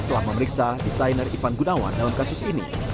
telah memeriksa desainer ivan gunawan dalam kasus ini